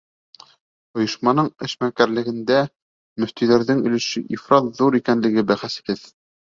Ойошманың эшмәкәрлегендә мөфтөйҙәрҙең өлөшө ифрат ҙур икәнлеге бәхәсһеҙ.